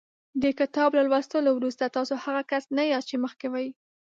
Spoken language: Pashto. د کتاب له لوستلو وروسته تاسو هغه کس نه یاست چې مخکې وئ.